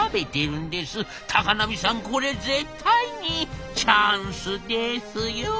高波さんこれ絶対にチャンスですよ」。